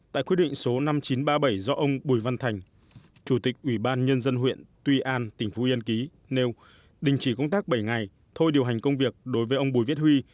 tại quyết định số năm nghìn chín trăm ba mươi bảy do ông bùi văn thành chủ tịch ủy ban nhân dân huyện tuy an tỉnh phú yên ký nêu đình chỉ công tác bảy ngày thôi điều hành công việc đối với ông bùi viết huy